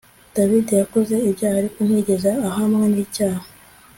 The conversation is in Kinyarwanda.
David yakoze ibyaha ariko ntiyigeze ahamwa nicyaha